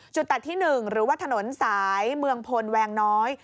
ตัดที่๑หรือว่าถนนสายเมืองพลแวงน้อย